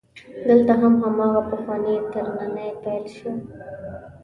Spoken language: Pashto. دلته هم هماغه پخوانی ترننی پیل شو.